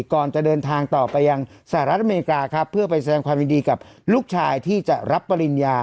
ก่อนจะเดินทางต่อไปยังสหรัฐอเมริกาครับเพื่อไปแสดงความยินดีกับลูกชายที่จะรับปริญญา